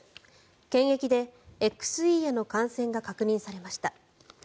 検疫でＸＥへの感染が確認されました。